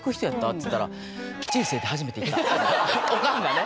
っつったらオカンがね。